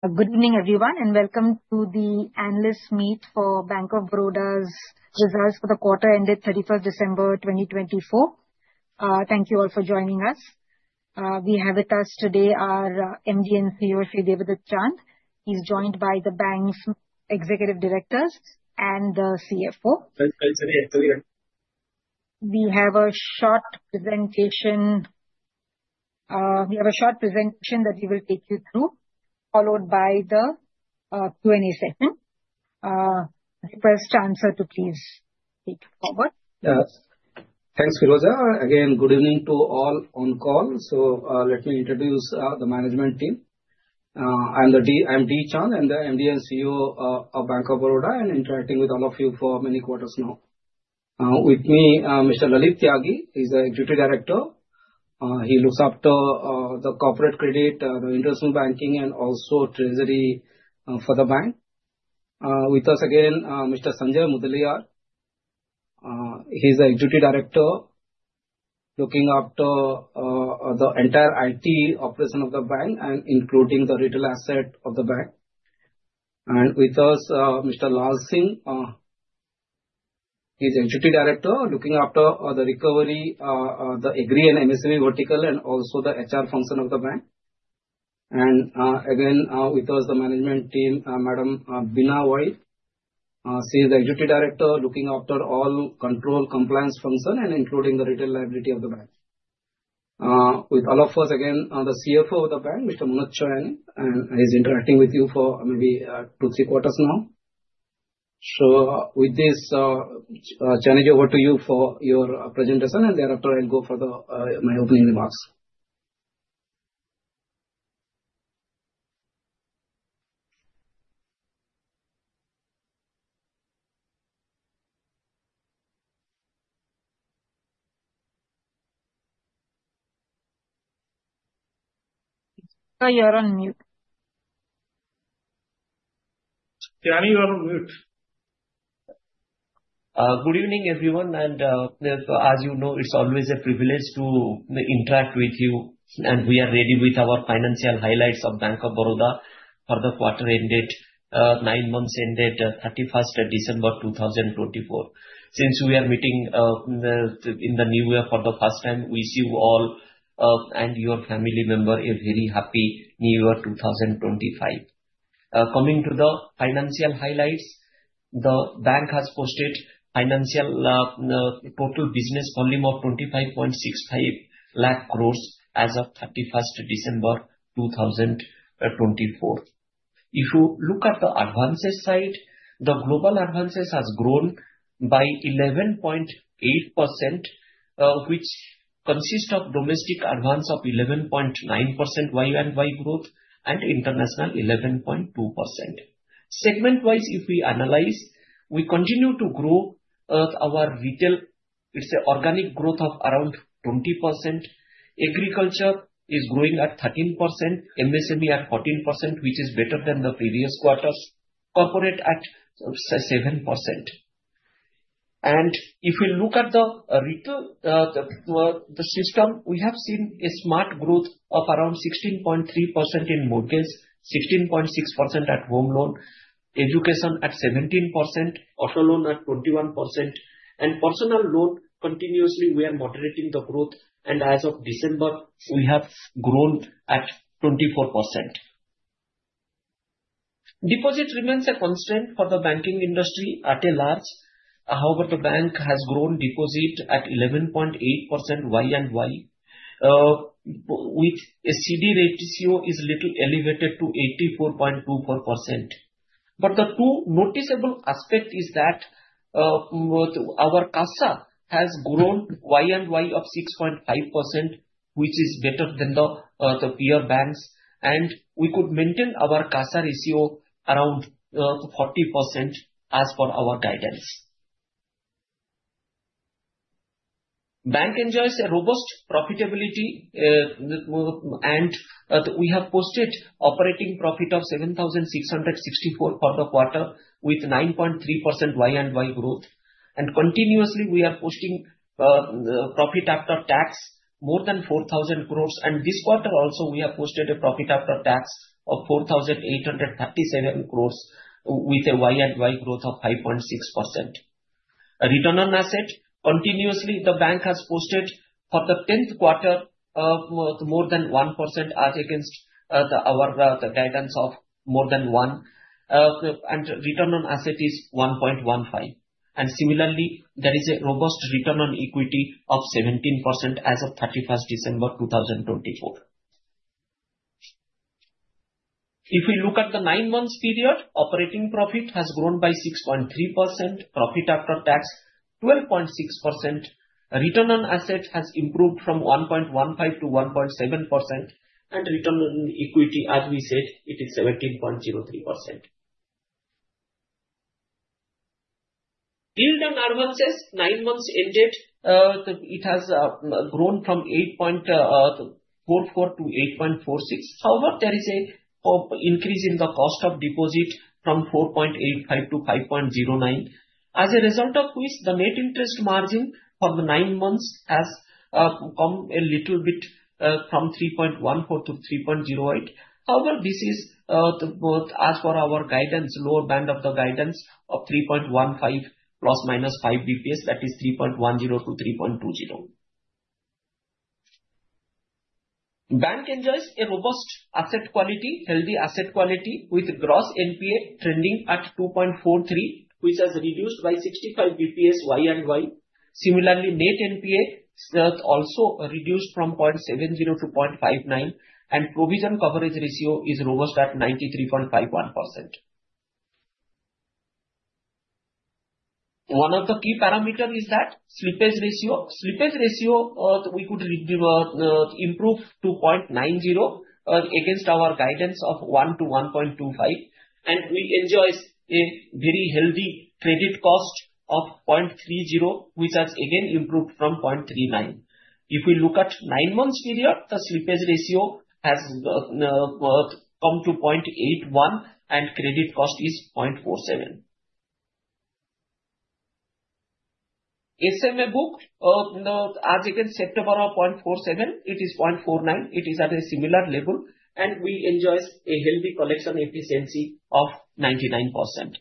Good evening, everyone, and welcome to the Analysts Meet for Bank of Baroda's results for the quarter ended 31st December 2024. Thank you all for joining us. We have with us today our MD and CEO Debadatta Chand. He's joined by the bank's executive directors and the CFO. Thanks for having me. We have a short presentation. We have a short presentation that we will take you through, followed by the Q&A session. Request to anchor to please take it forward. Yes. Thanks, Firoza. Again, good evening to all on call. So let me introduce the management team. I'm MD Chand and the MD and CEO of Bank of Baroda, and interacting with all of you for many quarters now. With me, Mr. Lalit Tyagi is the executive director. He looks after the corporate credit, the international banking, and also treasury for the bank. With us again, Mr. Sanjay Mudaliar. He's the executive director, looking after the entire IT operation of the bank and including the retail asset of the bank. And with us, Mr. Lalit Tyagi. He's the executive director, looking after the recovery, the agri and MSME vertical, and also the HR function of the bank. And again, with us, the management team, Madam Beena Vaid. She's the executive director, looking after all control, compliance function, and including the retail liability of the bank. With all of us, again, the CFO of the bank, Mr. Manoj Chayani, and he's interacting with you for maybe two, three quarters now, so with this, I'll change over to you for your presentation, and thereafter, I'll go for my opening remarks. You're on mute. Yeah, I'm on mute. Good evening, everyone. And as you know, it's always a privilege to interact with you. And we are ready with our financial highlights of Bank of Baroda for the quarter ended, nine months ended, 31st December 2024. Since we are meeting in the new year for the first time, we wish you all and your family members a very happy new year 2025. Coming to the financial highlights, the bank has posted financial total business volume of 25.65 lakh crore as of 31st December 2024. If you look at the advances side, the global advances have grown by 11.8%, which consists of domestic advance of 11.9% YoY growth, and international 11.2%. Segment-wise, if we analyze, we continue to grow our retail. It's an organic growth of around 20%. Agriculture is growing at 13%, MSME at 14%, which is better than the previous quarters. Corporate at 7%. If we look at the system, we have seen a smart growth of around 16.3% in mortgage, 16.6% at home loan, education at 17%, auto loan at 21%, and personal loan continuously. We are moderating the growth, and as of December, we have grown at 24%. Deposit remains a constant for the banking industry at large. However, the bank has grown deposit at 11.8% YoY, with a CD ratio is a little elevated to 84.24%. But the two noticeable aspects are that our CASA has grown YoY of 6.5%, which is better than the peer banks, and we could maintain our CASA ratio around 40% as per our guidance. Bank enjoys a robust profitability, and we have posted operating profit of 7,664 for the quarter with 9.3% YoY growth. Continuously, we are posting profit after tax more than 4,000 crore. This quarter also, we have posted a profit after tax of 4,837 crore with a YoY growth of 5.6%. Return on assets continuously, the bank has posted for the 10th quarter more than 1% as against our guidance of more than 1%, and return on assets is 1.15%. Similarly, there is a robust return on equity of 17% as of 31st December 2024. If we look at the nine months period, operating profit has grown by 6.3%, profit after tax 12.6%, return on assets has improved from 1.15% to 1.7%, and return on equity, as we said, it is 17.03%. Yield on advances, nine months ended, it has grown from 8.44% to 8.46%. However, there is an increase in the cost of deposit from 4.85 to 5.09, as a result of which the net interest margin for the nine months has come a little bit from 3.14 to 3.08. However, this is as per our guidance, lower band of the guidance of 3.15± 5 basis points, that is 3.10-3.20. Bank enjoys a robust asset quality, healthy asset quality, with gross NPA trending at 2.43, which has reduced by 65 basis points YoY. Similarly, net NPA also reduced from 0.70 to 0.59, and provision coverage ratio is robust at 93.51%. One of the key parameters is that slippage ratio. Slippage ratio we could improve to 0.90 against our guidance of 1-1.25, and we enjoy a very healthy credit cost of 0.30, which has again improved from 0.39. If we look at nine months period, the slippage ratio has come to 0.81, and credit cost is 0.47. SMA book, as against September of 0.47, it is 0.49. It is at a similar level, and we enjoy a healthy collection efficiency of 99%.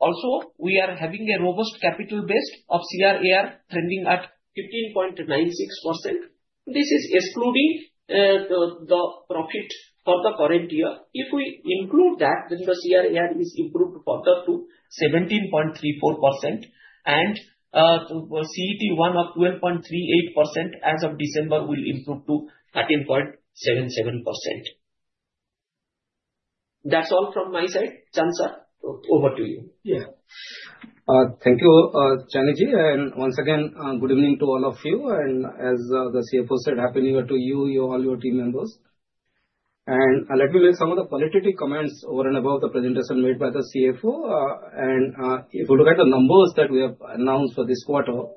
Also, we are having a robust capital base of CRAR trending at 15.96%. This is excluding the profit for the current year. If we include that, then the CRAR is improved further to 17.34%, and CET1 of 12.38% as of December will improve to 13.77%. That's all from my side. Chand, sir, over to you. Yeah. Thank you, Chayani. And once again, good evening to all of you. And as the CFO said, happy new year to you, you, all your team members. And let me make some of the qualitative comments over and above the presentation made by the CFO. And if we look at the numbers that we have announced for this quarter,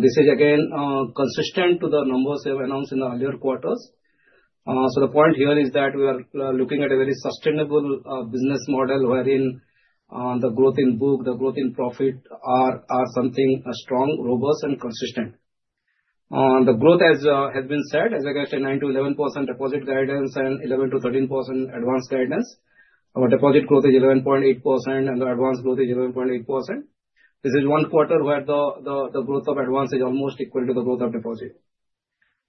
this is again consistent to the numbers we have announced in the earlier quarters. So the point here is that we are looking at a very sustainable business model wherein the growth in book, the growth in profit are something strong, robust, and consistent. The growth has been said, as I mentioned, 9%-11% deposit guidance and 11%-13% advance guidance. Our deposit growth is 11.8%, and the advance growth is 11.8%. This is one quarter where the growth of advances is almost equal to the growth of deposits.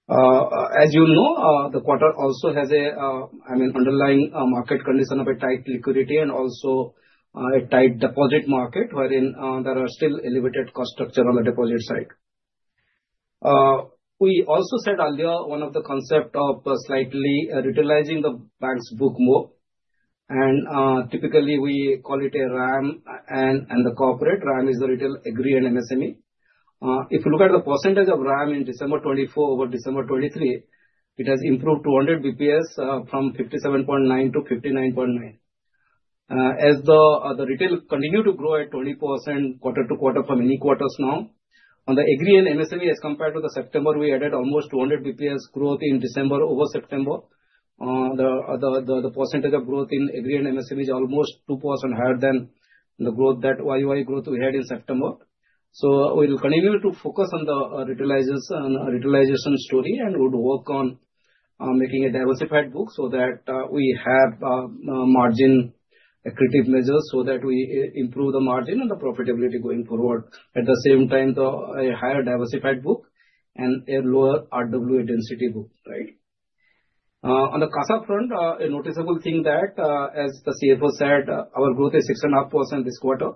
As you know, the quarter also has an underlying market condition of a tight liquidity and also a tight deposit market wherein there are still elevated cost structure on the deposit side. We also said earlier one of the concepts of slightly utilizing the bank's book more. Typically, we call it a RAM and the corporate. RAM is the retail agri and MSME. If you look at the percentage of RAM in December 2024 over December 2023, it has improved 200 basis points from 57.9% to 59.9%. As the retail continued to grow at 20% quarter to quarter from any quarters now, on the agri and MSME, as compared to the September, we added almost 200 basis points growth in December over September. The percentage of growth in agri and MSME is almost 2% higher than the YoY growth we had in September. So we'll continue to focus on the utilization story and would work on making a diversified book so that we have margin-accretive measures so that we improve the margin and the profitability going forward. At the same time, a higher diversified book and a lower RWA density book, right? On the CASA front, a noticeable thing that, as the CFO said, our growth is 6.5% this quarter.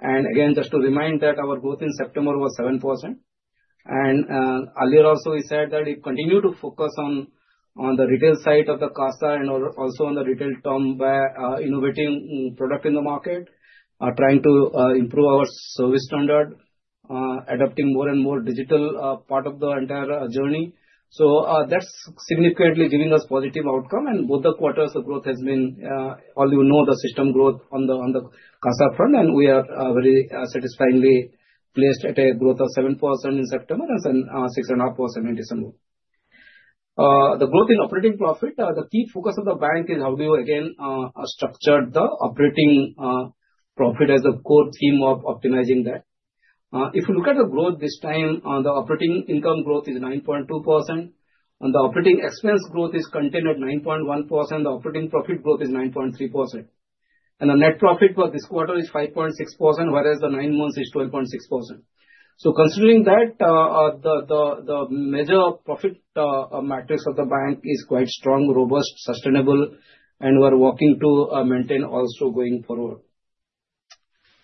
And again, just to remind that our growth in September was 7%. And earlier also, we said that we continue to focus on the retail side of the CASA and also on the retail term by innovating product in the market, trying to improve our service standard, adapting more and more digital part of the entire journey. That's significantly giving us positive outcome. Both the quarters, the growth has been, as you know, the system growth on the CASA front, and we are very satisfactorily placed at a growth of 7% in September and 6.5% in December. The growth in operating profit, the key focus of the bank is how do you again structure the operating profit as the core theme of optimizing that. If you look at the growth this time, the operating income growth is 9.2%. The operating expense growth is contained at 9.1%. The operating profit growth is 9.3%. And the net profit for this quarter is 5.6%, whereas the nine months is 12.6%. Considering that, the measure of profit matrix of the bank is quite strong, robust, sustainable, and we're working to maintain also going forward.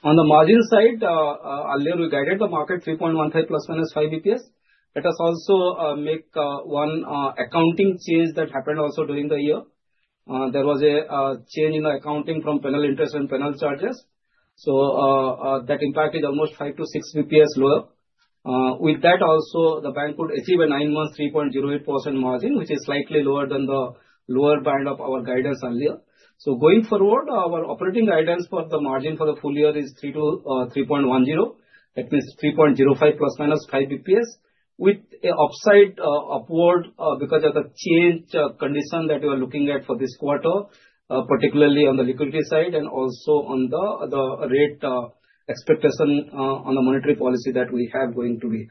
On the margin side, earlier we guided the market 3.15%± 5 basis points. Let us also make one accounting change that happened also during the year. There was a change in the accounting from penal interest and penal charges. So that impact is almost 5-6 basis points lower. With that, also, the bank could achieve a nine months 3.08% margin, which is slightly lower than the lower band of our guidance earlier. So going forward, our operating guidance for the margin for the full year is 3.10%. That means 3.05%± 5 basis points with an upside upward because of the change condition that we are looking at for this quarter, particularly on the liquidity side and also on the rate expectation on the monetary policy that we have going to be.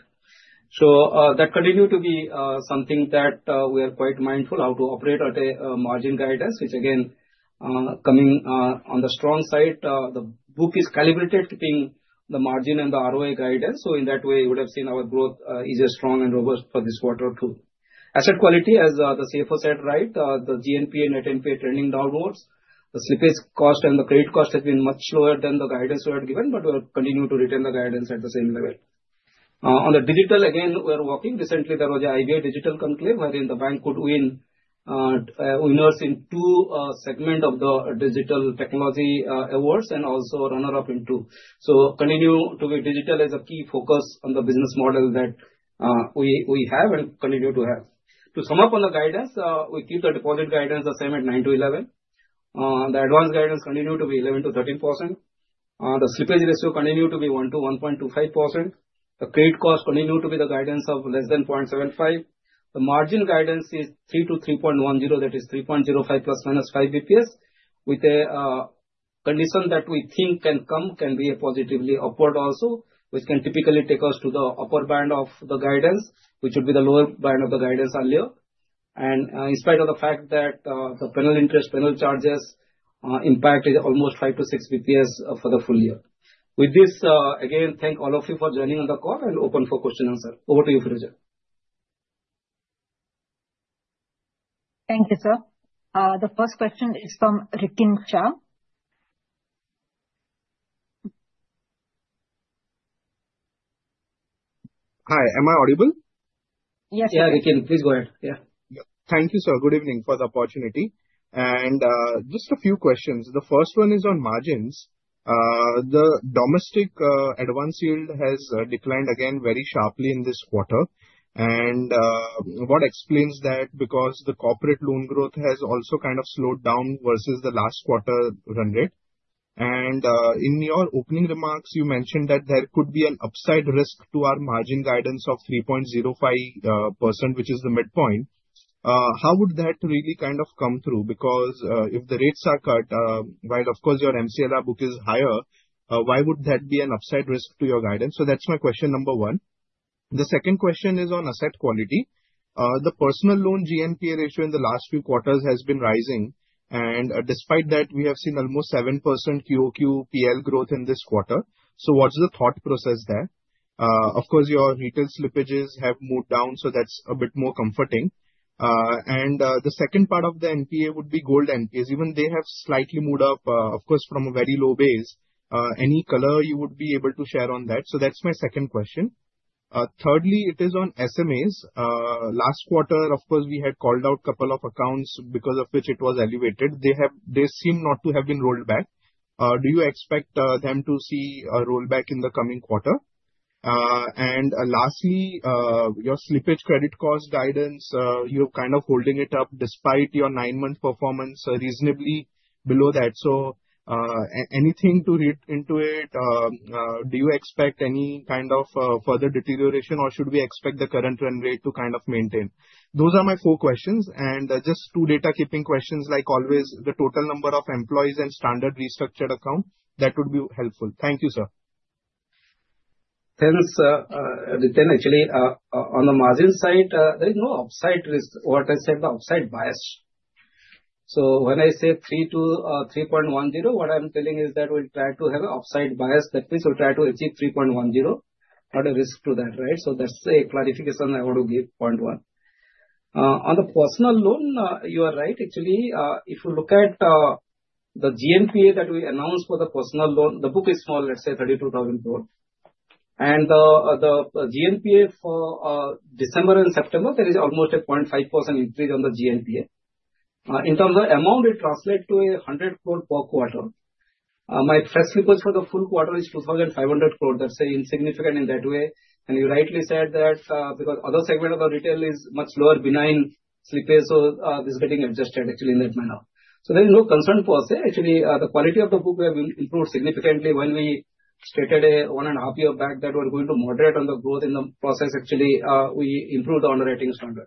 So that continued to be something that we are quite mindful how to operate at a margin guidance, which again, coming on the strong side, the book is calibrated, keeping the margin and the ROA guidance. So in that way, you would have seen our growth is a strong and robust for this quarter too. Asset quality, as the CFO said, right, the Gross NPA and net NPA trending downwards. The slippage cost and the credit cost has been much lower than the guidance we had given, but we'll continue to retain the guidance at the same level. On the digital, again, we're working. Recently, there was an IBA digital conclave wherein the bank was winner in two segments of the digital technology awards and also runner-up in two. So continue to be digital as a key focus on the business model that we have and continue to have. To sum up on the guidance, we keep the deposit guidance the same at 9%-11%. The advance guidance continued to be 11%-13%. The slippage ratio continued to be 1%-1.25%. The credit cost continued to be the guidance of less than 0.75%. The margin guidance is 3%-3.10%, that is 3.05%± 5 basis points, with a condition that we think can come, can be positively upward also, which can typically take us to the upper band of the guidance, which would be the lower band of the guidance earlier. In spite of the fact that the penal interest, penal charges impact is almost 5-6 basis points for the full year. With this, again, thank all of you for joining on the call and open for question and answer. Over to you, Foram. Thank you, sir. The first question is from Rikin Shah. Hi, am I audible? Yes, sir. Yeah, Rikin, please go ahead. Yeah. Thank you, sir. Good evening for the opportunity. And just a few questions. The first one is on margins. The domestic advance yield has declined again very sharply in this quarter. And what explains that? Because the corporate loan growth has also kind of slowed down versus the last quarter run rate. And in your opening remarks, you mentioned that there could be an upside risk to our margin guidance of 3.05%, which is the midpoint. How would that really kind of come through? Because if the rates are cut, while of course your MCLR book is higher, why would that be an upside risk to your guidance? So that's my question number one. The second question is on asset quality. The personal loan GNPA ratio in the last few quarters has been rising. Despite that, we have seen almost 7% QoQ PL growth in this quarter. What's the thought process there? Of course, your retail slippages have moved down, so that's a bit more comforting. The second part of the NPA would be gold NPAs. Even they have slightly moved up, of course, from a very low base. Any color you would be able to share on that? That's my second question. Thirdly, it is on SMAs. Last quarter, of course, we had called out a couple of accounts because of which it was elevated. They seem not to have been rolled back. Do you expect them to see a rollback in the coming quarter? Lastly, your slippage credit cost guidance, you're kind of holding it up despite your nine-month performance reasonably below that. Anything to read into it? Do you expect any kind of further deterioration, or should we expect the current run rate to kind of maintain? Those are my four questions. And just two data-keeping questions. Like always, the total number of employees and standard restructured account, that would be helpful. Thank you, sir. Thanks, Rikin. Actually, on the margin side, there is no upside risk. What I said, the upside bias. So when I say 3.10, what I'm telling is that we'll try to have an upside bias. That means we'll try to achieve 3.10, not a risk to that, right? So that's the clarification I want to give, point one. On the personal loan, you are right. Actually, if you look at the GNPA that we announced for the personal loan, the book is small, let's say 32,000 crore. And the GNPA for December and September, there is almost a 0.5% increase on the GNPA. In terms of amount, it translates to a 100 crore per quarter. My first slippage for the full quarter is 2,500 crore. That's insignificant in that way. You rightly said that because other segment of the retail is much lower benign slippage, so this is getting adjusted actually in that manner. So there is no concern per se. Actually, the quality of the book will improve significantly when we stated a one and a half year back that we're going to moderate on the growth in the process. Actually, we improved the underwriting standard.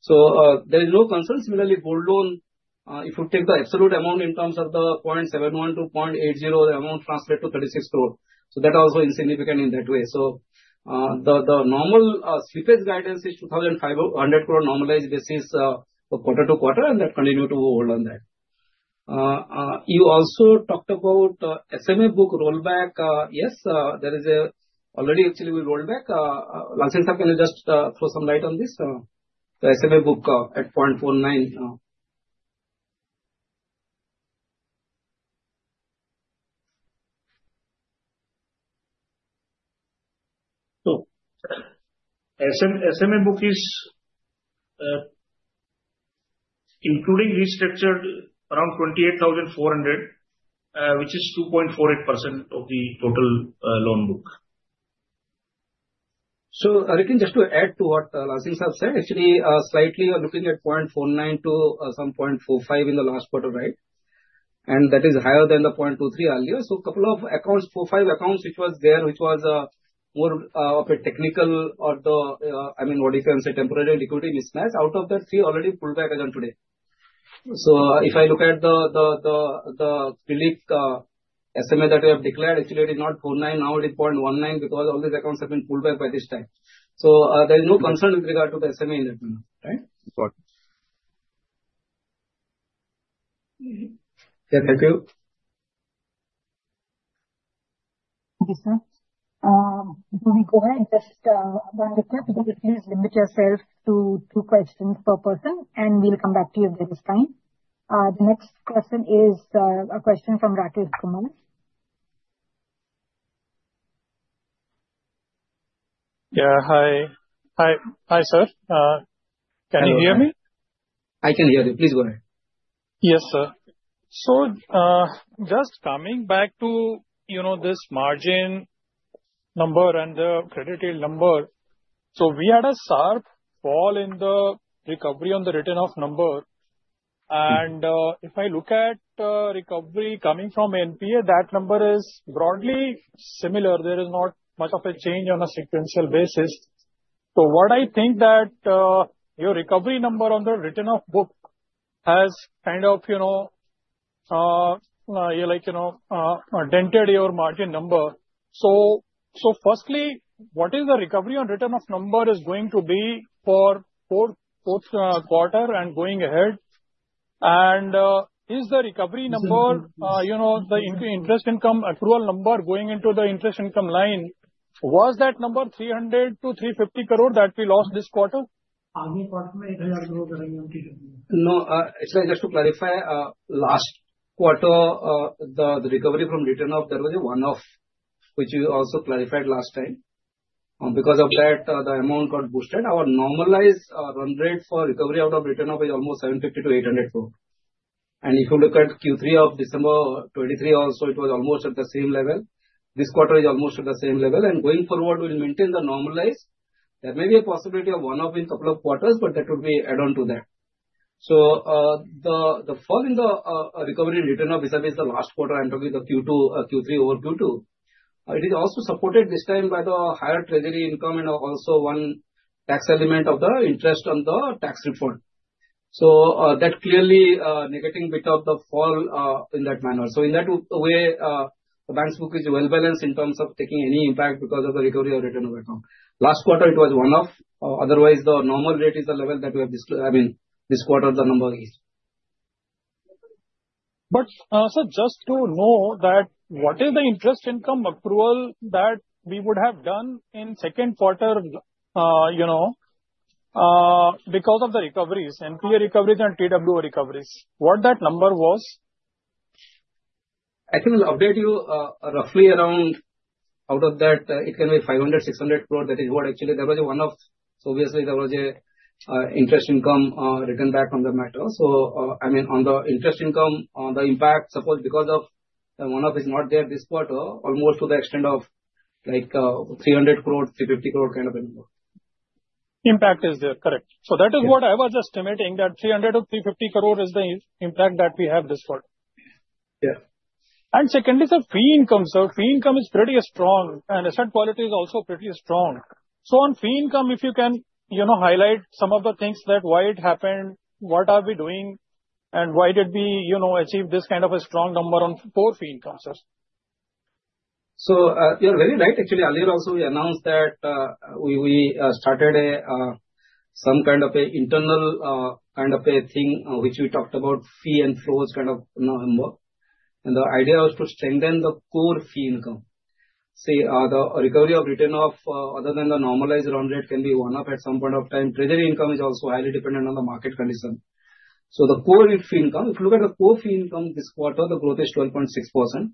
So there is no concern. Similarly, Gold Loan, if you take the absolute amount in terms of the 0.71%-0.80%, the amount translates to 36 crore. So that also is insignificant in that way. So the normal slippage guidance is 2,500 crore normalized basis for quarter to quarter, and that continued to hold on that. You also talked about SMA book rollback. Yes, there is already actually we rolled back. Lalit Tyagi, sir, can you just throw some light on this? The SMA book at 0.49. SMA book is including restructured around 28,400, which is 2.48% of the total loan book. Rikin, just to add to what Lalit sir said, actually slightly you're looking at 0.49% to some 0.45% in the last quarter, right? And that is higher than the 0.23% earlier. So a couple of accounts, four or five accounts, which was there, which was more of a technical or the, I mean, what you can say, temporary liquidity mismatch out of that three already pulled back again today. So if I look at the clean SMA that we have declared, actually it is not 0.49%, now it is 0.19% because all these accounts have been pulled back by this time. So there is no concern with regard to the SMA in that manner, right? Yeah, thank you. Thank you, sir. Before we go ahead, just one request because please limit yourself to two questions per person, and we'll come back to you at this time. The next question is a question from Rakesh Kumar. Yeah, hi. Hi, sir. Can you hear me? I can hear you. Please go ahead. Yes, sir. So just coming back to this margin number and the credit number, so we had a sharp fall in the recovery on the written-off number. And if I look at recovery coming from NPA, that number is broadly similar. There is not much of a change on a sequential basis. So what I think that your recovery number on the written-off book has kind of, you know, like dented your margin number. So firstly, what is the recovery on written-off number is going to be for fourth quarter and going ahead. And is the recovery number, you know, the interest income accrual number going into the interest income line, was that number 300 crore-350 crore that we lost this quarter? No, actually just to clarify, last quarter, the recovery from written-off there was a one-off, which you also clarified last time. Because of that, the amount got boosted. Our normalized run rate for recovery out of written-off is almost 750-800 crore. And if you look at Q3 of December 2023, also it was almost at the same level. This quarter is almost at the same level. And going forward, we'll maintain the normalized. There may be a possibility of one-off in a couple of quarters, but that would be add-on to that. So the fall in the recovery in written-off this is the last quarter entering the Q2, Q3 over Q2. It is also supported this time by the higher treasury income and also one tax element of the interest on the tax refund. So that clearly negating bit of the fall in that manner. So in that way, the bank's book is well balanced in terms of taking any impact because of the recovery or written-off account. Last quarter, it was one-off. Otherwise, the normal rate is the level that we have, I mean, this quarter the number is. but sir, just to know that what is the interest income accrual that we would have done in second quarter, you know, because of the recoveries, NPA recoveries and TWO recoveries, what that number was? I think we'll update you roughly around out of that, it can be 500-600 crore. That is what actually there was a one-off. So obviously, there was an interest income return back on the matter. So I mean, on the interest income, the impact, suppose because of one-off is not there this quarter, almost to the extent of like 300-350 crore kind of a number. Impact is there, correct. So that is what I was estimating that 300 crore-350 crore is the impact that we have this quarter. Yeah. Secondly, sir, fee income, sir. Fee income is pretty strong. Asset quality is also pretty strong. On fee income, if you can highlight some of the things that why it happened, what are we doing, and why did we achieve this kind of a strong number on our fee income, sir? So you're very right. Actually, earlier also we announced that we started some kind of an internal kind of a thing, which we talked about fee inflows kind of number. And the idea was to strengthen the core fee income. See, the recovery or return other than the normalized run rate can be one-off at some point of time. Treasury income is also highly dependent on the market condition. So the core fee income, if you look at the core fee income this quarter, the growth is 12.6%.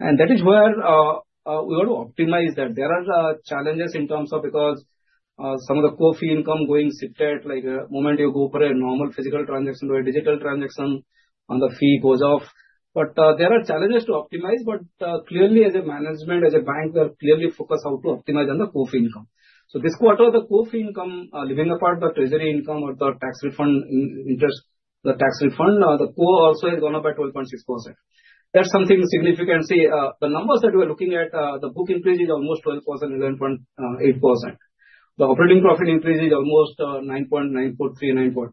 And that is where we want to optimize that. There are challenges in terms of because some of the core fee income going shifted, like the moment you go for a normal physical transaction or a digital transaction, the fee goes off. But there are challenges to optimize. Clearly, as a management, as a bank, we are clearly focused on how to optimize on the core fee income. So this quarter, the core fee income, leaving apart the treasury income or the tax refund interest, the tax refund, the core also has gone up by 12.6%. That's something significant. See, the numbers that we're looking at, the book increase is almost 12%, 11.8%. The operating profit increase is almost 9.9439%.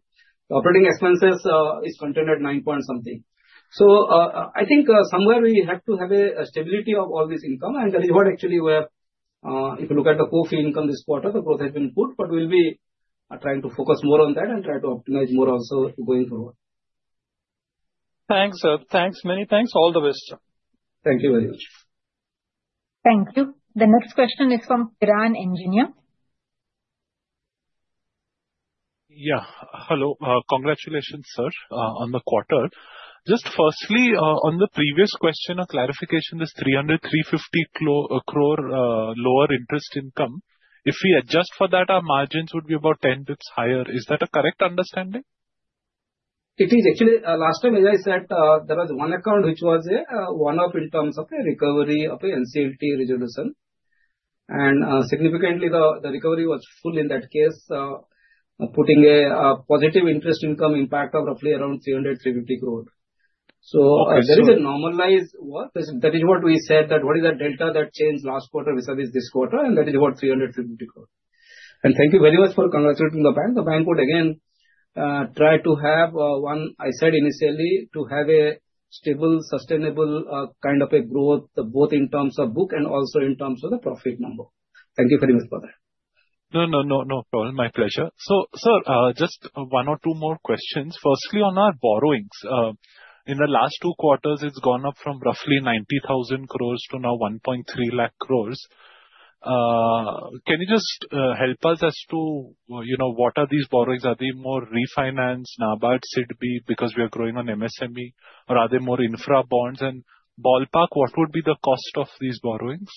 The operating expenses is maintained at 9 point something. So I think somewhere we have to have a stability of all this income. And that is what actually we have. If you look at the core fee income this quarter, the growth has been put, but we'll be trying to focus more on that and try to optimize more also going forward. Thanks, sir. Thanks. Many thanks. All the best, sir. Thank you very much. Thank you. The next question is from Piran Engineer. Hello. Congratulations, sir, on the quarter. Just firstly, on the previous question, a clarification: this 300-350 crore lower interest income, if we adjust for that, our margins would be about 10 basis points higher. Is that a correct understanding? It is actually. Last time, as I said, there was one account which was a one-off in terms of a recovery of an NCLT resolution. And significantly, the recovery was full in that case, putting a positive interest income impact of roughly around 300-350 crore. So there is a normalized work. That is what we said that what is that delta that changed last quarter vis-à-vis this quarter. And that is about 300-350 crore. And thank you very much for congratulating the bank. The bank would again try to have one, I said initially, to have a stable, sustainable kind of a growth, both in terms of book and also in terms of the profit number. Thank you very much for that. No, no, no, no problem. My pleasure. So, sir, just one or two more questions. Firstly, on our borrowings, in the last two quarters, it's gone up from roughly 90,000 crore to now 1.3 lakh crore. Can you just help us as to what are these borrowings? Are they more refinance, NABARD, SIDBI, because we are growing on MSME, or are they more infra bonds? And ballpark, what would be the cost of these borrowings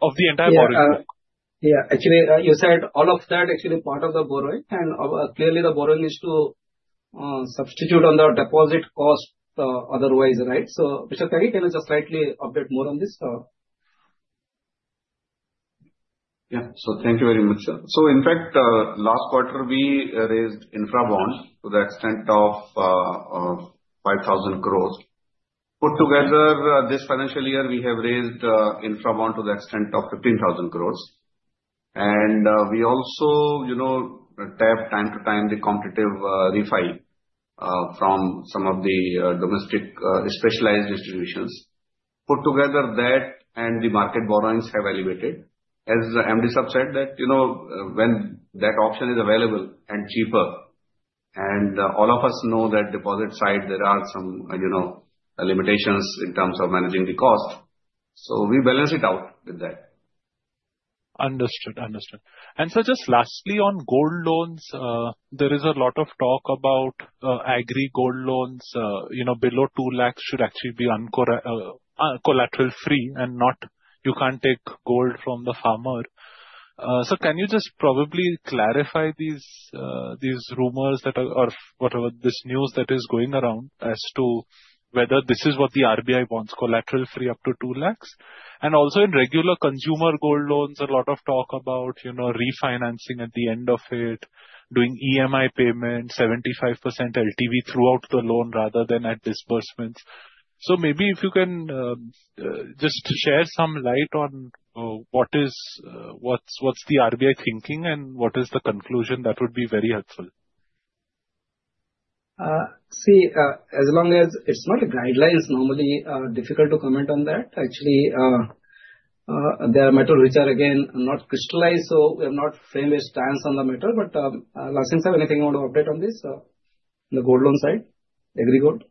of the entire borrowing? Yeah, actually, you said all of that, actually part of the borrowing. And clearly, the borrowing is to substitute on the deposit cost otherwise, right? So Mr. Tyagi, can you just slightly update more on this? Yeah, so thank you very much, sir. So in fact, last quarter, we raised infra bond to the extent of 5,000 crore. Put together, this financial year, we have raised infra bond to the extent of 15,000 crore. And we also tap from time to time the competitive refinance from some of the domestic specialized institutions. Put together, that and the market borrowings have elevated. As the MD said, that when that option is available and cheaper, and all of us know that deposit side, there are some limitations in terms of managing the cost. So we balance it out with that. Understood, understood. And sir, just lastly on Gold Loans, there is a lot of talk about Agri Gold Loans below 2 lakh should actually be collateral-free and not you can't take gold from the farmer. So can you just probably clarify these rumors that are or whatever this news that is going around as to whether this is what the RBI wants, collateral-free up to 2 lakh? And also in regular consumer Gold Loans, a lot of talk about refinancing at the end of it, doing EMI payment, 75% LTV throughout the loan rather than at disbursements. So maybe if you can just share some light on what's the RBI thinking and what is the conclusion, that would be very helpful. See, as long as it's not a guideline, it's normally difficult to comment on that. Actually, there are matters which are again not crystallized, so we have not framed a stance on the matter. But Lalit Tyagi, sir, anything you want to update on this on the Gold Loan side, agri gold?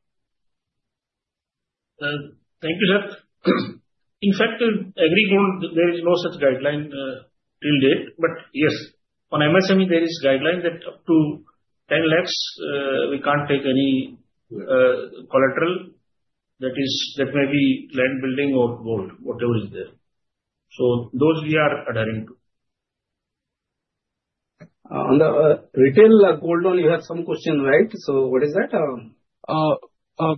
Thank you, sir. In fact, Agri Gold, there is no such guideline till date. But yes, on MSME, there is guideline that up to 10 lakh, we can't take any collateral that may be land, building, or gold, whatever is there. So those we are adhering to. On the Retail Gold Loan, you had some question, right? So what is that?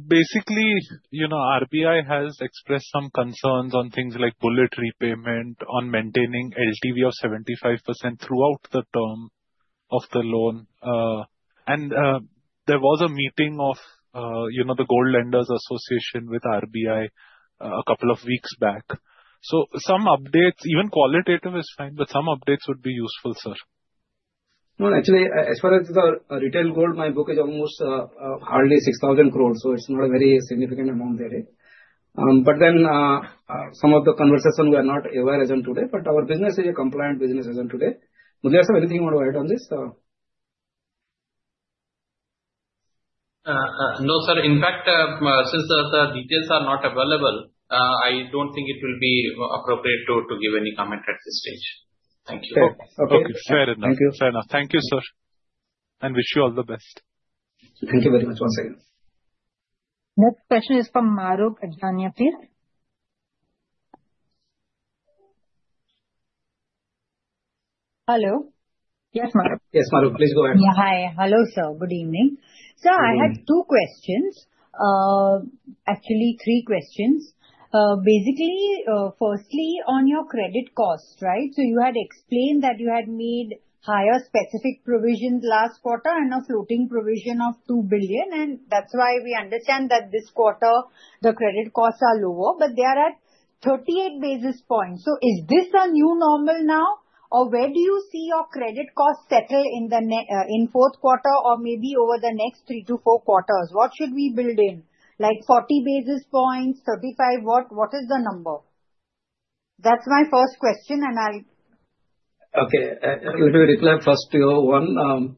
Basically, RBI has expressed some concerns on things like bullet repayment, on maintaining LTV of 75% throughout the term of the loan. And there was a meeting of the Gold Lenders Association with RBI a couple of weeks back. So some updates, even qualitative is fine, but some updates would be useful, sir. No, actually, as far as the Retail Gold, my book is almost hardly 6,000 crore. So it's not a very significant amount there. But then some of the conversation we are not aware as on today. But our business is a compliant business as on today. Mudaliar sir, anything you want to add on this? No, sir. In fact, since the details are not available, I don't think it will be appropriate to give any comment at this stage. Thank you. Okay, fair enough. Thank you, sir, and wish you all the best. Thank you very much once again. Next question is from Mahrukh Adajania, please. Hello. Yes, Mahrukh. Yes, Mahrukh, please go ahead. Yeah, hi. Hello, sir. Good evening. Sir, I had two questions, actually three questions. Basically, firstly, on your credit cost, right? So you had explained that you had made higher specific provisions last quarter and a floating provision of 2 billion. And that's why we understand that this quarter, the credit costs are lower, but they are at 38 basis points. So is this a new normal now? Or where do you see your credit costs settle in the fourth quarter or maybe over the next three to four quarters? What should we build in? Like 40 basis points, 35, what is the number? That's my first question, and I'll. Okay, let me take first point one.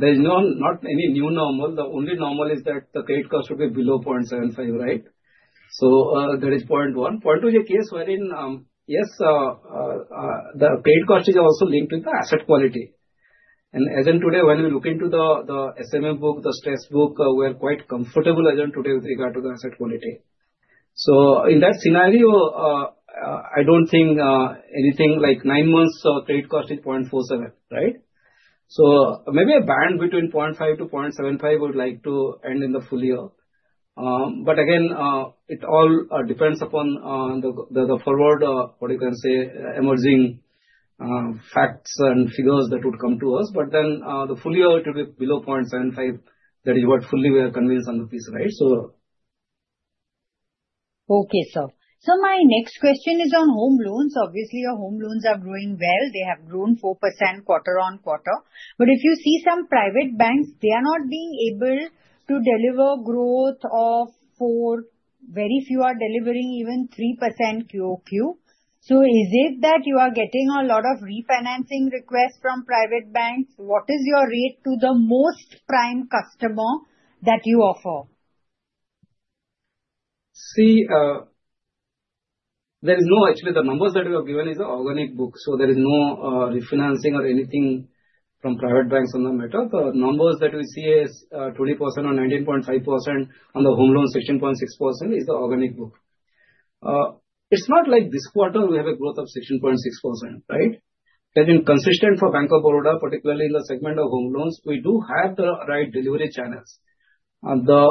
There is no new normal. The only normal is that the credit cost should be below 0.75%, right? So that is point one. Point two is a case wherein, yes, the credit cost is also linked with the asset quality. And as of today, when we look into the SMA book, the stress book, we are quite comfortable as of today with regard to the asset quality. So in that scenario, I don't think anything like nine months credit cost is 0.47%, right? So maybe a band between 0.5% to 0.75% would likely end in the full year. But again, it all depends upon the forward-looking, what you can say, emerging facts and figures that would come to us. But then the full year it will be below 0.75%. That is what we are fully convinced on this, right? So. Okay, sir. So my next question is on home loans. Obviously, your home loans are growing well. They have grown 4% quarter on quarter. But if you see some private banks, they are not being able to deliver growth of 4%. Very few are delivering even 3% QOQ. So is it that you are getting a lot of refinancing requests from private banks? What is your rate to the most prime customer that you offer? See, there is no, actually, the numbers that we have given is an organic book. So there is no refinancing or anything from private banks on the matter. The numbers that we see is 20% or 19.5% on the home loan, 16.6% is the organic book. It's not like this quarter we have a growth of 16.6%, right? That is consistent for Bank of Baroda, particularly in the segment of home loans. We do have the right delivery channels, the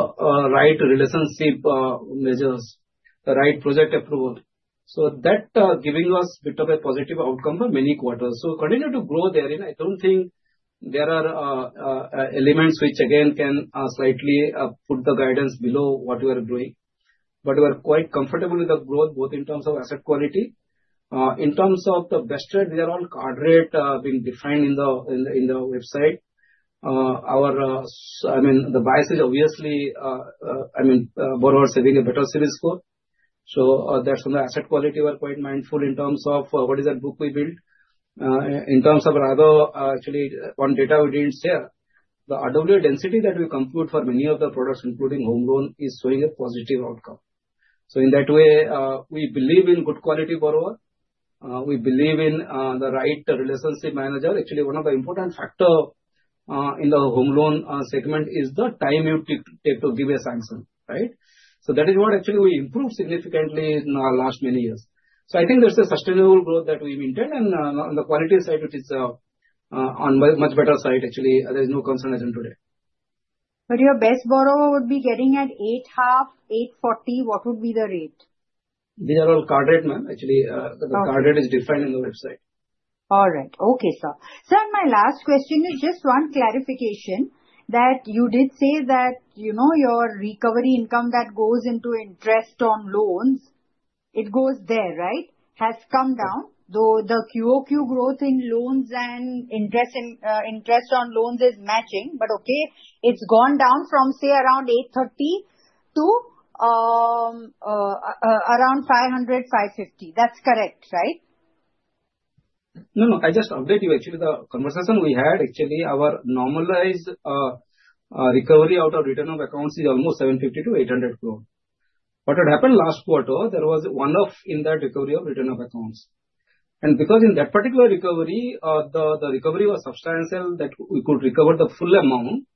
right relationship measures, the right project approval. So that giving us a bit of a positive outcome for many quarters. So continue to grow there. I don't think there are elements which again can slightly put the guidance below what we are growing. But we are quite comfortable with the growth, both in terms of asset quality. In terms of the best trade-off, our MCLR rate being defined on the website. I mean, the bias is obviously, I mean, Baroda is having a better CRISIL score. So that's on the asset quality. We are quite mindful in terms of what is that book we built. In terms of overall, actually, one data we didn't share, the RWA density that we compute for many of the products, including home loan, is showing a positive outcome. So in that way, we believe in good quality Baroda. We believe in the right relationship manager. Actually, one of the important factors in the home loan segment is the time you take to give a sanction, right? So that is what actually we improved significantly in the last many years. So I think there's a sustainable growth that we maintained. On the quality side, it is on a much better side, actually. There is no concern as of today. But your best borrower would be getting at 8.5%, 8.40%. What would be the rate? These are all card rate, man. Actually, the card rate is defined in the website. All right. Okay, sir. Sir, my last question is just one clarification that you did say that your recovery income that goes into interest on loans, it goes there, right? Has come down, though the QoQ growth in loans and interest on loans is matching. But okay, it's gone down from, say, around 8.30 to around 500, 550. That's correct, right? No, no. I just update you, actually, the conversation we had. Actually, our normalized recovery out of written-off accounts is almost 750 crore-800 crore. What had happened last quarter, there was one-off in that recovery of return written-off accounts. And because in that particular recovery, the recovery was substantial that we could recover the full amount,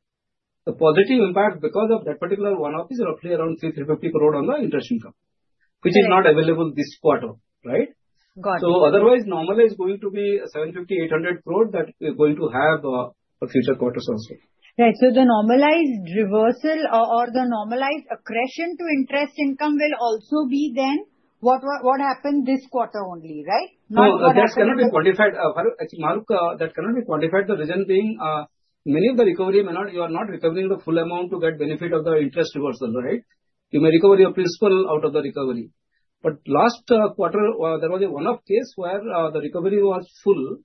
the positive impact because of that particular one-off is roughly around 350 crore on the interest income, which is not available this quarter, right? Got it. Otherwise, normalized going to be 750-800 crore that we're going to have for future quarters also. Right. So the normalized reversal or the normalized accretion to interest income will also be then what happened this quarter only, right? No, that cannot be quantified. Actually, Mahrukh, that cannot be quantified. The reason being, many of the recovery may not, you are not recovering the full amount to get benefit of the interest reversal, right? You may recover your principal out of the recovery. But last quarter, there was a one-off case where the recovery was full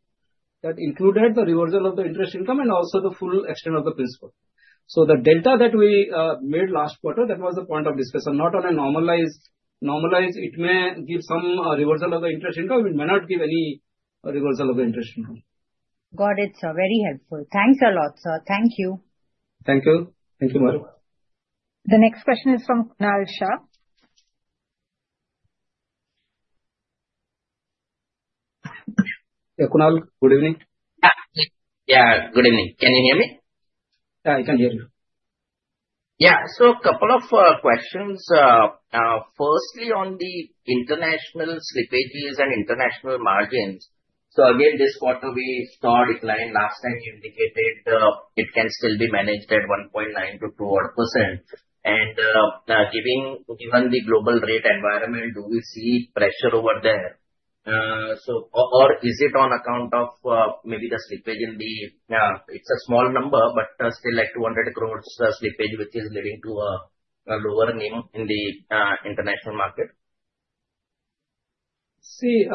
that included the reversal of the interest income and also the full extent of the principal. So the delta that we made last quarter, that was the point of discussion. Not on a normalized, it may give some reversal of the interest income. It may not give any reversal of the interest income. Got it, sir. Very helpful. Thanks a lot, sir. Thank you. Thank you. Thank you, Mahrukh. The next question is from Kunal Shah. Yeah, Kunal, good evening. Yeah, good evening. Can you hear me? Yeah, I can hear you. Yeah, so a couple of questions. Firstly, on the international slippages and international margins. So again, this quarter we saw a decline. Last time you indicated it can still be managed at 1.9%-2.5%. And given the global rate environment, do we see pressure over there? Or is it on account of maybe the slippage in the, it's a small number, but still like 200 crore slippage, which is leading to a lower NIM in the international market? See,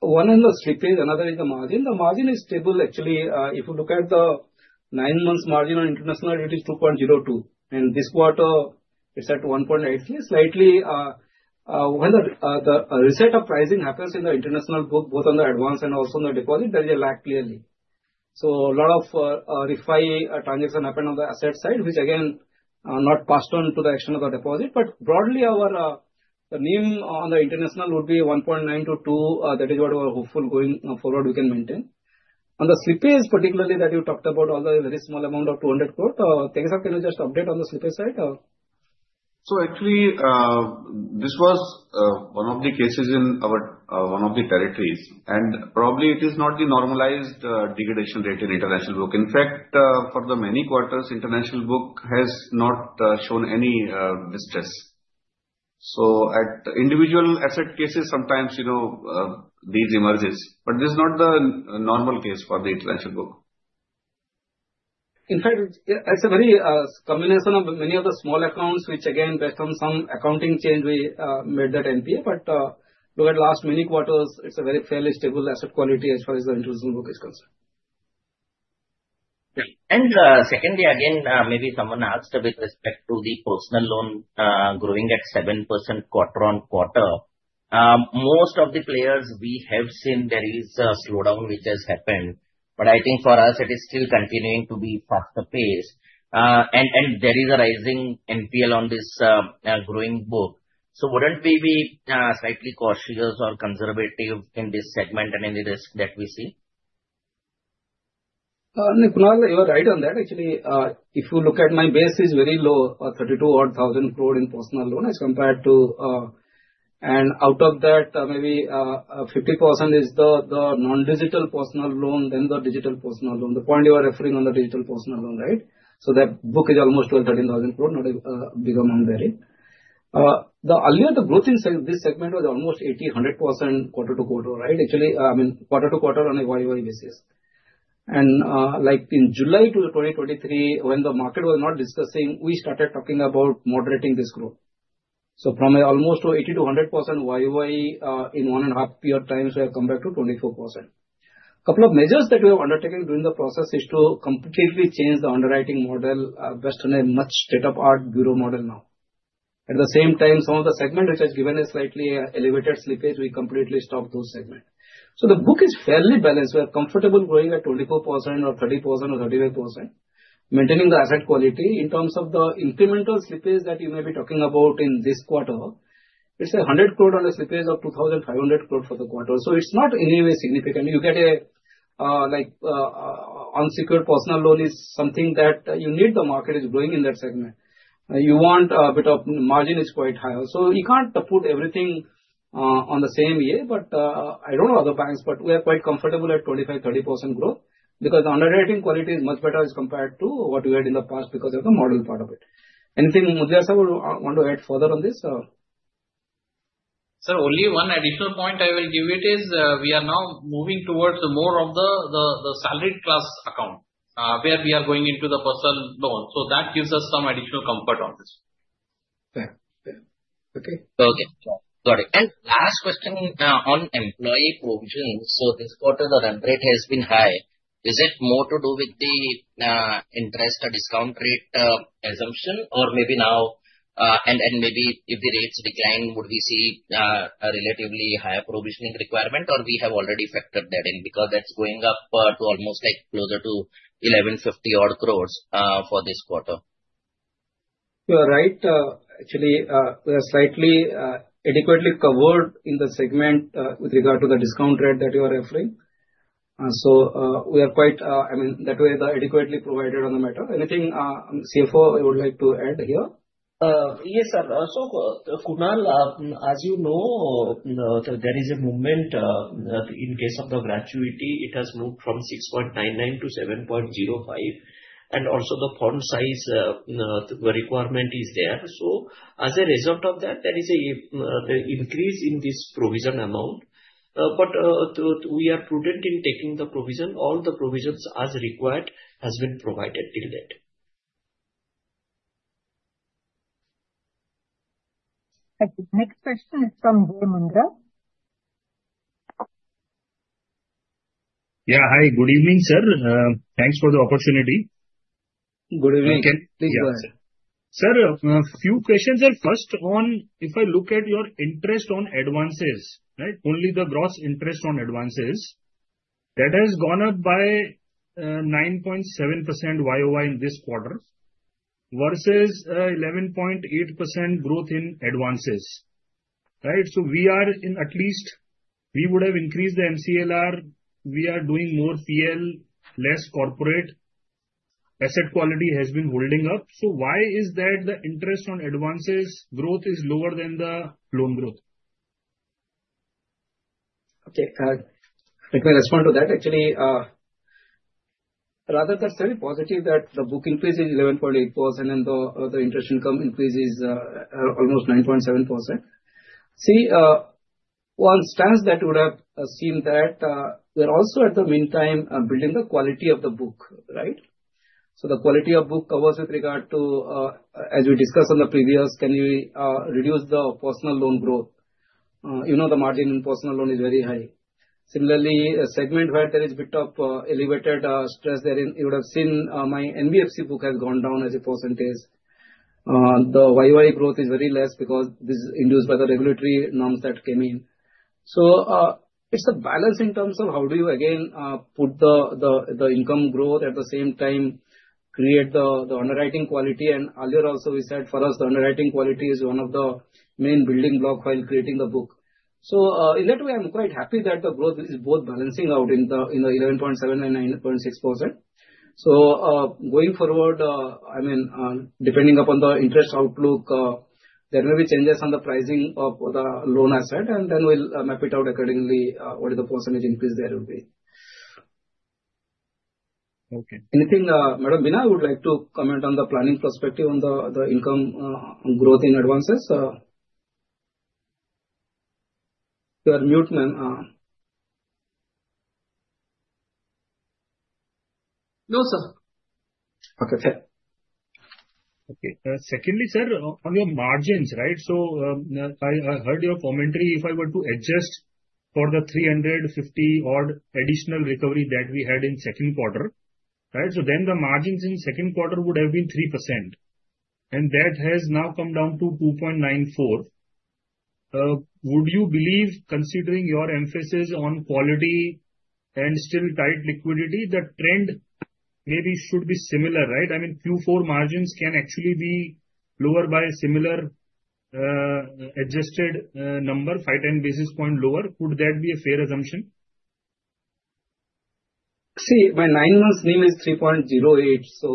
one is the slippage, another is the margin. The margin is stable, actually. If you look at the nine months margin on international, it is 2.02. And this quarter, it's at 1.83. Slightly, when the reset of pricing happens in the international book, both on the advance and also on the deposit, there is a lag clearly. So a lot of refinancing transaction happened on the asset side, which again, not passed on to the extent of the deposit. But broadly, our NIM on the international would be 1.9-2. That is what we are hopeful going forward we can maintain. On the slippage, particularly that you talked about, although a very small amount of 200 crore, can you just update on the slippage side? Actually, this was one of the cases in one of the territories. Probably it is not the normalized degradation rate in international book. In fact, for the many quarters, international book has not shown any distress. At individual asset cases, sometimes these emerge. This is not the normal case for the international book. In fact, it's a very combination of many of the small accounts, which again, based on some accounting change, we made that NPA. But look at last many quarters, it's a very fairly stable asset quality as far as the international book is concerned. And secondly, again, maybe someone asked with respect to the personal loan growing at 7% quarter on quarter. Most of the players we have seen, there is a slowdown which has happened. But I think for us, it is still continuing to be faster pace. And there is a rising NPA on this growing book. So wouldn't we be slightly cautious or conservative in this segment and in the risk that we see? Kunal, you are right on that. Actually, if you look at my base, it is very low, 32,000 crore in personal loan as compared to. And out of that, maybe 50% is the non-digital personal loan, then the digital personal loan. The point you are referring on the digital personal loan, right? So that book is almost 12,000-13,000 crore, not a big amount there. The earlier, the growth in this segment was almost 80%-100% quarter to quarter, right? Actually, I mean, quarter to quarter on a YoY basis. And like in July 2023, when the market was not discussing, we started talking about moderating this growth. So from almost 80%-100% YoY in one and a half year time, we have come back to 24%. A couple of measures that we have undertaken during the process is to completely change the underwriting model based on a much state-of-the-art bureau model now. At the same time, some of the segment which has given a slightly elevated slippage, we completely stopped those segments. So the book is fairly balanced. We are comfortable growing at 24% or 30% or 35%, maintaining the asset quality. In terms of the incremental slippage that you may be talking about in this quarter, it's 100 crore on a slippage of 2,500 crore for the quarter. So it's not in any way significant. You get an unsecured personal loan is something that you need the market is growing in that segment. You want a bit of margin is quite high. So you can't put everything on the same year. But I don't know other banks, but we are quite comfortable at 25%-30% growth because the underwriting quality is much better as compared to what we had in the past because of the model part of it. Anything Mudaliar sir would want to add further on this? Sir, only one additional point I will give it is we are now moving towards more of the salaried class account where we are going into the personal loan. So that gives us some additional comfort on this. Okay. Okay. Got it, and last question on employee provisions. So this quarter, the ramp rate has been high. Is it more to do with the interest discount rate assumption or maybe now, and maybe if the rates decline, would we see a relatively higher provisioning requirement or we have already factored that in because that's going up to almost like closer to 1,150 odd crore for this quarter? You are right. Actually, we are slightly adequately covered in the segment with regard to the discount rate that you are referring to. So we are quite, I mean, that way adequately provided on the matter. Anything CFO would like to add here? Yes, sir. So Kunal, as you know, there is a movement in case of the gratuity. It has moved from 6.99 to 7.05. And also the fund size requirement is there. So as a result of that, there is an increase in this provision amount. But we are prudent in taking the provision. All the provisions as required have been provided till date. Next question is from Jai Mundhra. Yeah, hi. Good evening, sir. Thanks for the opportunity. Good evening. Okay. Please go ahead. Sir, a few questions, sir. First one, if I look at your interest on advances, right? Only the gross interest on advances, that has gone up by 9.7% YoY in this quarter versus 11.8% growth in advances, right? So we are in at least we would have increased the MCLR. We are doing more PL, less corporate. Asset quality has been holding up. So why is that the interest on advances growth is lower than the loan growth? Okay. If I respond to that, actually, rather, that's very positive that the book increase is 11.8% and the interest income increase is almost 9.7%. See, one instance that would have seen that we are also in the meantime building the quality of the book, right? So the quality of book covers with regard to, as we discussed previously, we can reduce the personal loan growth. You know the margin in personal loan is very high. Similarly, segment where there is a bit of elevated stress there, you would have seen my NBFC book has gone down as a percentage. The YoY growth is very less because this is influenced by the regulatory norms that came in. So it's a balance in terms of how do you again put the income growth at the same time, create the underwriting quality. Earlier also we said for us, the underwriting quality is one of the main building block while creating the book. So in that way, I'm quite happy that the growth is both balancing out in the 11.7% and 9.6%. So going forward, I mean, depending upon the interest outlook, there may be changes on the pricing of the loan asset, and then we'll map it out accordingly what the percentage increase there will be. Okay. Anything, Madam Beena, would like to comment on the planning perspective on the income growth in advances? You are mute, ma'am. No, sir. Okay. Okay. Secondly, sir, on your margins, right? So I heard your commentary. If I were to adjust for the 350 odd additional recovery that we had in second quarter, right? So then the margins in second quarter would have been 3%. And that has now come down to 2.94%. Would you believe, considering your emphasis on quality and still tight liquidity, that trend maybe should be similar, right? I mean, Q4 margins can actually be lower by similar adjusted number, 5-10 basis points lower. Could that be a fair assumption? See, my nine months' NIM is 3.08%. So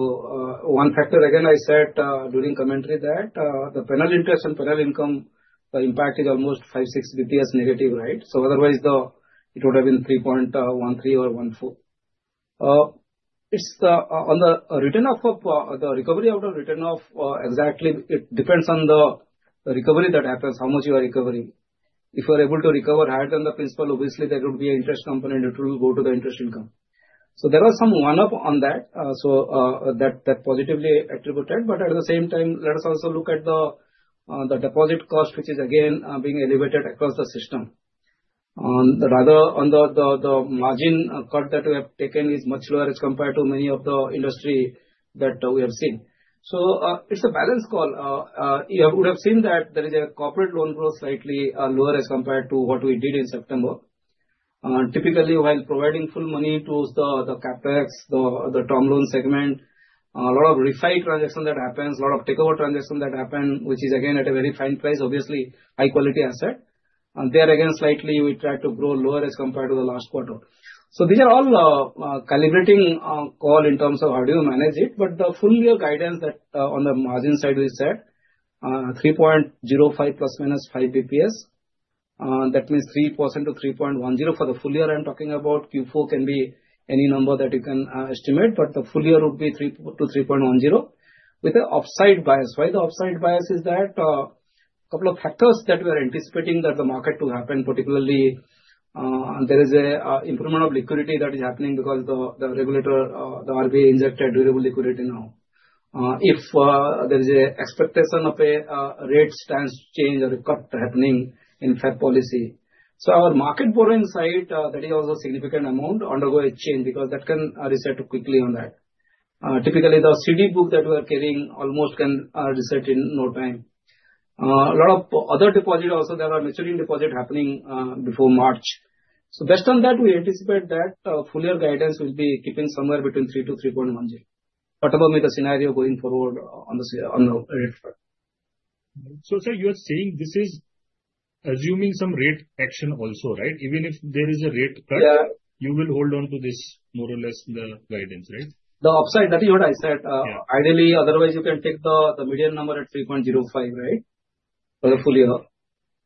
one factor, again, I said during commentary that the penal interest and penal income, the impact is almost 5, 6 basis points negative, right? So otherwise, it would have been 3.13% or 1.4%. It's on the written-off the recovery out of returns exactly. It depends on the recovery that happens, how much you are recovering. If you are able to recover higher than the principal, obviously there would be an interest component that will go to the interest income. So there was some write-up on that, so that positively contributed. But at the same time, let us also look at the deposit cost, which is again being elevated across the system. Rather, the margin cut that we have taken is much lower as compared to many of the industry that we have seen. So it's a balanced call. You would have seen that there is a corporate loan growth slightly lower as compared to what we did in September. Typically, while providing full money to the CapEx the term loan segment, a lot of refined transactions that happen, a lot of takeover transactions that happen, which is again at a very fine price, obviously high-quality asset. There again, slightly we tried to grow lower as compared to the last quarter. So these are all calibrating calls in terms of how do you manage it. But the full year guidance that on the margin side we said 3.05± 5 basis points. That means 3%-3.10% for the full year. I'm talking about Q4 can be any number that you can estimate, but the full year would be 3%-3.10% with an upside bias. Why the upside bias is that a couple of factors that we are anticipating that the market to happen, particularly there is an improvement of liquidity that is happening because the regulator, the RBI, injected durable liquidity now. If there is an expectation of a rate stance change or a cut happening in Fed policy. So our market borrowing side, that is also a significant amount undergo a change because that can reset quickly on that. Typically, the CD book that we are carrying almost can reset in no time. A lot of other deposit also that are maturing deposit happening before March. So based on that, we anticipate that full year guidance will be keeping somewhere between 3%-3.10%. Whatever may the scenario going forward on the rate cut. So sir, you are saying this is assuming some rate action also, right? Even if there is a rate cut, you will hold on to this more or less the guidance, right? The upside, that is what I said. Ideally, otherwise, you can take the median number at 3.05, right? For the full year.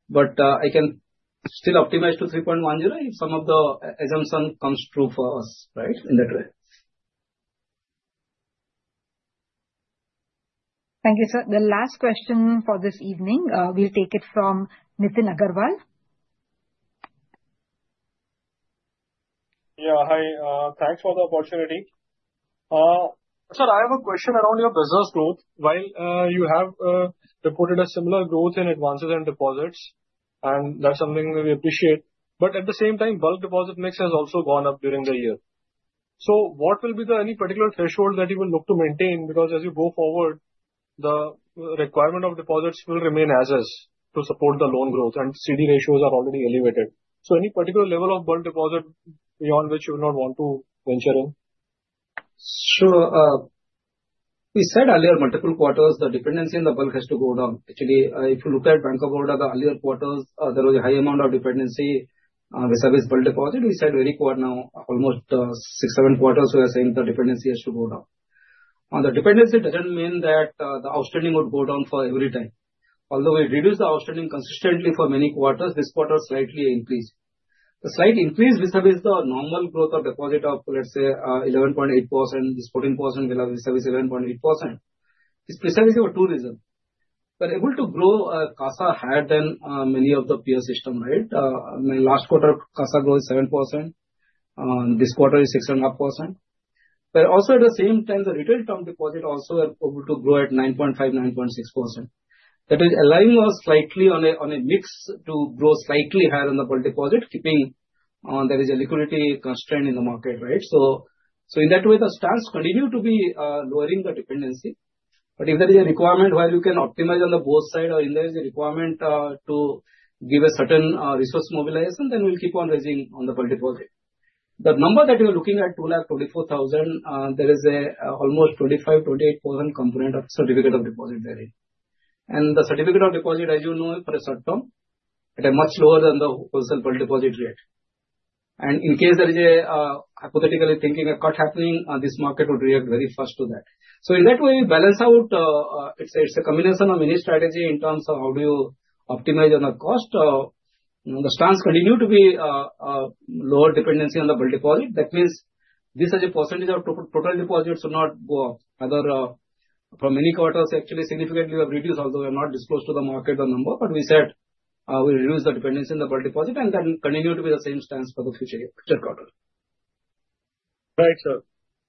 But I can still optimize to 3.10 if some of the assumption comes true for us, right? In that way. Thank you, sir. The last question for this evening, we'll take it from Nitin Aggarwal. Yeah, hi. Thanks for the opportunity. Sir, I have a question around your business growth. While you have reported a similar growth in advances and deposits, and that's something we appreciate. But at the same time, bulk deposit mix has also gone up during the year. So what will be the any particular threshold that you will look to maintain? Because as you go forward, the requirement of deposits will remain as is to support the loan growth, and CD ratios are already elevated. So any particular level of bulk deposit beyond which you will not want to venture in? Sure. We said earlier multiple quarters, the dependency in the bulk has to go down. Actually, if you look at Bank of Baroda, the earlier quarters, there was a high amount of dependency vis-à-vis bulk deposit. We said every quarter now, almost six, seven quarters, we are saying the dependency has to go down. The dependency doesn't mean that the outstanding would go down for every time. Although we reduce the outstanding consistently for many quarters, this quarter slightly increased. The slight increase vis-à-vis the normal growth of deposit of, let's say, 11.8%, this 14% vis-à-vis 11.8% is vis-à-vis of two reasons. We are able to grow CASA higher than many of the peer set, right? My last quarter, CASA growth is 7%. This quarter is 6.5%. But also at the same time, the retail term deposit also is able to grow at 9.5, 9.6%. That is allowing us slightly on a mix to grow slightly higher than the bulk deposit, keeping there is a liquidity constraint in the market, right? So in that way, the stance continues to be lowering the dependency. But if there is a requirement where you can optimize on the both sides or in there is a requirement to give a certain resource mobilization, then we'll keep on raising on the bulk deposit. The number that you are looking at, 224,000, there is an almost 25%-28% component of certificate of deposit there. And the certificate of deposit, as you know, for a short term, it is much lower than the wholesale bulk deposit rate. And in case there is a hypothetically thinking a cut happening, this market would react very fast to that. So in that way, we balance out. It's a combination of many strategies in terms of how do you optimize on the cost. The stance continues to be lower dependency on the bulk deposit. That means this is a percentage of total deposits will not go up. From many quarters, actually significantly we have reduced, although we have not disclosed to the market the number, but we said we reduce the dependency on the bulk deposit and then continue to be the same stance for the future quarter. Right, sir.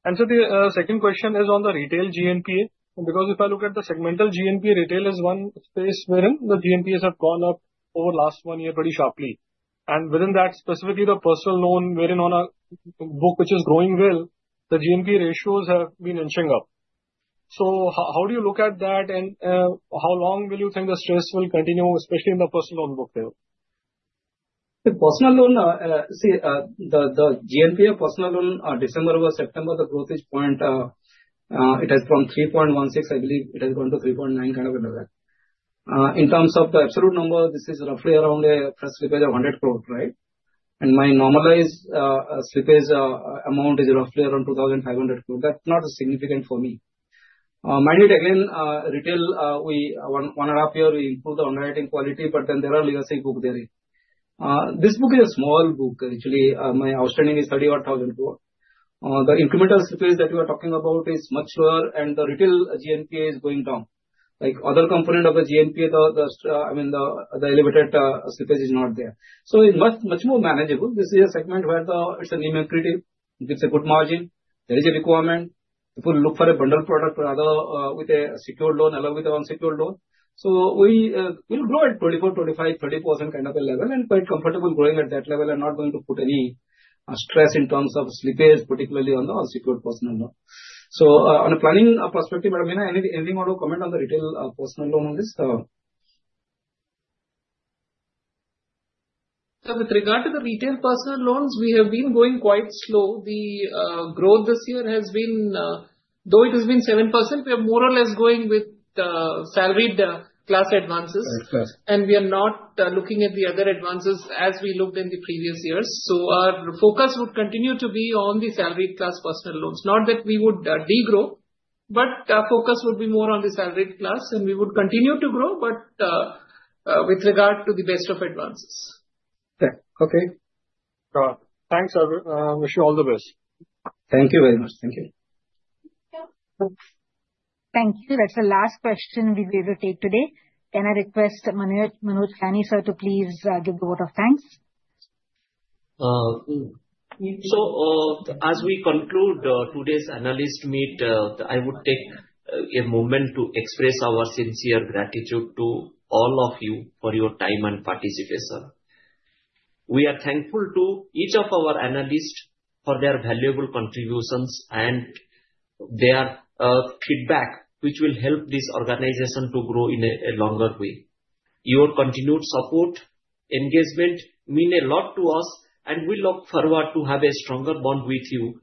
And sir, the second question is on the retail GNPA. Because if I look at the segmental GNPA, retail is one space wherein the GNPAs have gone up over the last one year pretty sharply. And within that, specifically the personal loan, wherein on a book which is growing well, the GNPA ratios have been inching up. So how do you look at that? And how long will you think the stress will continue, especially in the personal loan book there? The personal loan, see, the GNPA personal loan, December over September, the growth is point. It has gone 3.16%, I believe it has gone to 3.9% kind of in that. In terms of the absolute number, this is roughly around a fresh slippage of 100 crore, right? And my normalized slippage amount is roughly around 2,500 crore. That's not significant for me. Mind it again, retail, one and a half year, we improved the underwriting quality, but then there are legacy book there. This book is a small book, actually. My outstanding is 31,000 crore. The incremental slippage that we are talking about is much lower, and the retail GNPA is going down. Like other component of the GNPA, I mean, the elevated slippage is not there. So it's much more manageable. This is a segment where it's a NIM accretive. It's a good margin. There is a requirement. People look for a bundle product with a secured loan along with the unsecured loan. So we will grow at 24%, 25%, 30% kind of a level and quite comfortable growing at that level and not going to put any stress in terms of slippage, particularly on the unsecured personal loan. So on a planning perspective, Madam Beena, anything more to comment on the retail personal loan on this? So with regard to the retail personal loans, we have been going quite slow. The growth this year has been, though it has been 7%, we are more or less going with salaried class advances. And we are not looking at the other advances as we looked in the previous years. So our focus would continue to be on the salaried class personal loans. Not that we would degrow, but our focus would be more on the salaried class, and we would continue to grow, but with regard to the best of advances. Okay. Thanks, sir. Wish you all the best. Thank you very much. Thank you. Thank you. That's the last question we will take today. Can I request Manoj Chayani sir to please give the word of thanks? So as we conclude today's analyst meet, I would take a moment to express our sincere gratitude to all of you for your time and participation. We are thankful to each of our analysts for their valuable contributions and their feedback, which will help this organization to grow in a longer way. Your continued support, engagement mean a lot to us, and we look forward to have a stronger bond with you.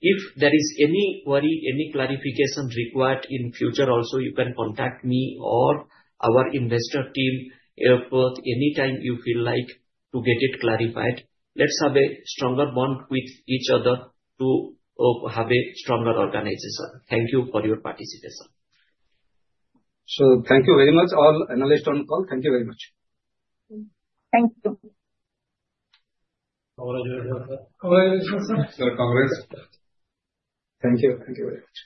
If there is any worry, any clarification required in future, also you can contact me or our investor team at IR anytime you feel like to get it clarified. Let's have a stronger bond with each other to have a stronger organization. Thank you for your participation. So thank you very much, all analysts on call. Thank you very much. Thank you. Congratulations, sir. Congratulations, sir. Congrats. Thank you. Thank you very much.